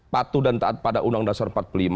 patuh dan taat pada undang dasar empat puluh lima